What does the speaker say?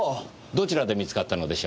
どちらで見つかったのでしょう？